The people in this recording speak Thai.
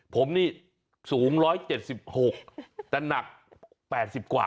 ผมนี่สูง๑๗๖เซนติเมตรแต่หนัก๘๐กว่า